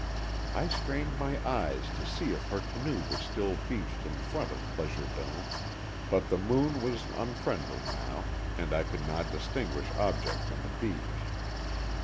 I strained my eyes to see if her canoe was still beached in front of Pleasure Dome, but the moon was unfriendly now, and I could not distinguish objects on the beach.